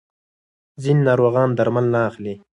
ځینې ناروغان درمل نه اخلي.